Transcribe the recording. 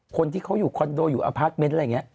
คนที่เขาอยู่คอนโดอยู่อพาร์ทเมนต์อะไรอย่างนี้